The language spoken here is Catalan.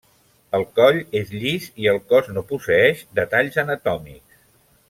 El coll és llis i el cos no posseeix detalls anatòmics.